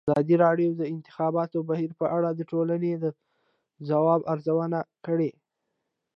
ازادي راډیو د د انتخاباتو بهیر په اړه د ټولنې د ځواب ارزونه کړې.